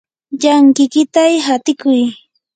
llankikiyta hatikuy.